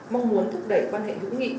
mong muốn thúc đẩy quan hệ hữu nghị